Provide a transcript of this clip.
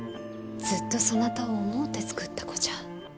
ずっとそなたを思うて作った子じゃ。